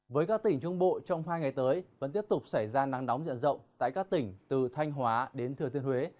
với các tỉnh trung bộ trong hai ngày tới vẫn tiếp tục xảy ra nắng nóng diện rộng tại các tỉnh từ thanh hóa đến thừa thiên huế